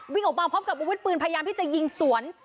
วิ่งออกมาพร้อมกับอาวุธปืนพยายามที่จะยิงสวน